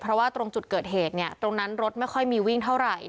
เพราะว่าตรงจุดเกิดเหตุเนี่ยตรงนั้นรถไม่ค่อยมีวิ่งเท่าไหร่